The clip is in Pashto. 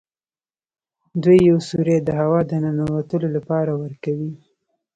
دوی یو سوری د هوا د ننوتلو لپاره ورکوي.